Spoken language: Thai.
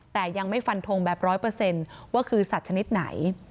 แต่ยังไม่ฟันทงแบบ๑๐๐ว่าคือสัตว์ชนิดไหน